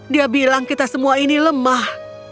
dia bilang kita semua ini lemah